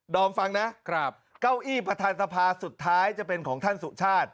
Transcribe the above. อมฟังนะเก้าอี้ประธานสภาสุดท้ายจะเป็นของท่านสุชาติ